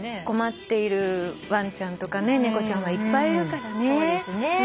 困っているワンちゃんとか猫ちゃんはいっぱいいるからね。